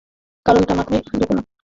কারণটা মাথায় ঢোকে না।